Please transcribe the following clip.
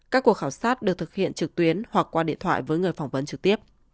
các cuộc khảo sát được thực hiện trực tuyến hoặc qua điện thoại với người phỏng vấn trực tiếp